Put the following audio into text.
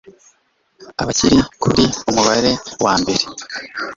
Abakiri kuri Umubare wa mbere